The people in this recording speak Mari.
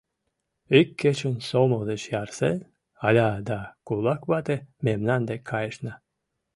Ик кечын, сомыл деч ярсен, Аля да «кулак вате» мемнан дек кайышна.